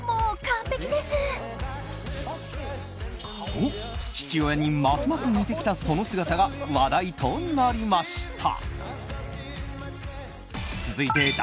と、父親にますます似てきたその姿が話題となりました。